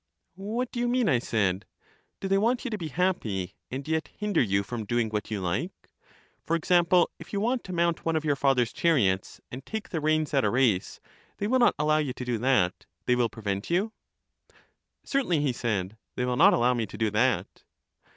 What do you mean? I said. Do they want you to be happy, and yet hinder you from doing what you like? — for example, if you want to mount one of 56 LYSIS your father's chariots, and take the reins at a race, they will not allow you to do that; they will prevent you? Certainly, he said, they will not allow me to do that.